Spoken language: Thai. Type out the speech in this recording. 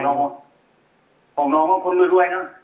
ของน้องของคนรวยนะ